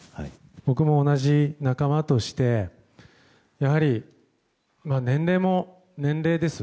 僕も、同じ仲間としてやはり年齢も年齢です